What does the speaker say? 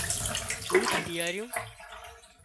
ۮوڌ پيائريون